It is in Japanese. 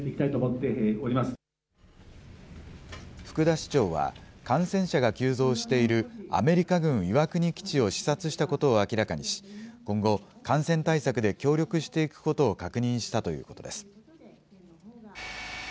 福田市長は、感染者が急増しているアメリカ軍岩国基地を視察したことを明らかにし、今後、感染対策で協力していくことを確認したということです。